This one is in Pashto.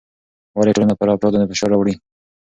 ولې ټولنه پر افرادو فشار راوړي؟